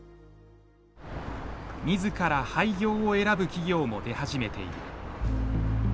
自ら廃業を選ぶ企業も出始めている。